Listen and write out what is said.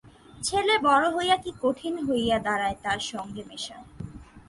ছেলে বড় হইয়া কী কঠিন হইয়া দাড়ায় তার সঙ্গে মেশা।